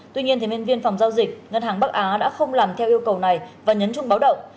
tuy nhiên thì nhân viên phòng giao dịch ngân hàng bắc á đã không làm theo yêu cầu này và nhấn chung báo động